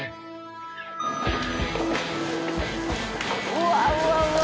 うわうわうわ。